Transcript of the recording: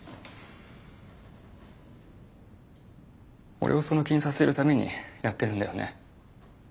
俺をその気にさせるためにやってるんだよね。